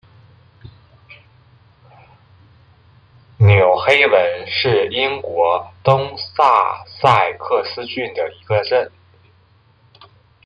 纽黑文是英国东萨塞克斯郡的一个镇。